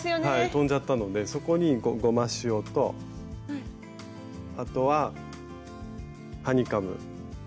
飛んじゃったのでそこにゴマシオとあとはハニカム。